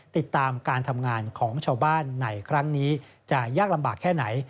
ติดตามการทำงานของชาวบ้านในครั้งนี้จะยากลำบากแค่ไหน